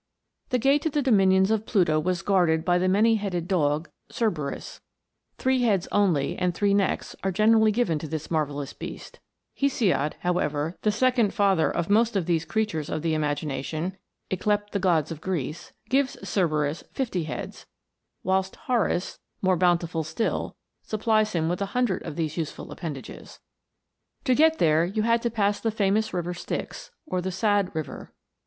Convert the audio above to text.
The gate to the dominions of Pluto was guarded by the many headed dog Cerberus* To get there * Three heads only and three necks are generally given to this marvellous beast ; Hesiod, however, the second father of most of those creatures of the imagination, yclept the gods of Greece, gives Cerberus fifty heads ; whilst Horace, more bountiful still, supplies him with a hundred of these useful appendages. 278 PLUTO'S KINGDOM. you had to pass the famous River Styx, or the sad river.